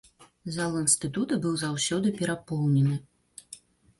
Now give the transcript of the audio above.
Зал інстытута быў заўсёды перапоўнены.